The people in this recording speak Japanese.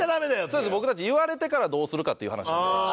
そうです僕たち言われてからどうするかっていう話なんで。